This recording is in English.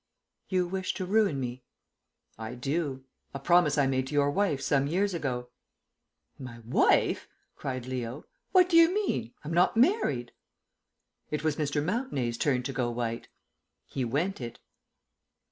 "You wish to ruin me?" "I do. A promise I made to your wife some years ago." "My wife?" cried Leo. "What do you mean? I'm not married." It was Mr. Mountenay's turn to go white. He went it.